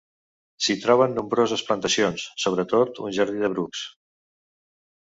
S'hi troben nombroses plantacions, sobretot un jardí de brucs.